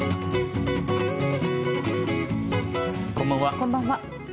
こんばんは。